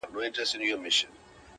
د مرغکیو د عمرونو کورګی!